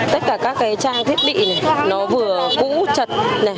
tất cả các trang thiết bị vừa cũ chật